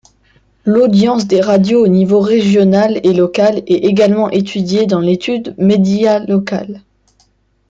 L’audience des radios au niveau régional et local est également étudiée dans l’étude Médialocales.